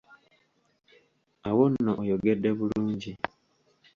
Awo nno oyogedde bulungi.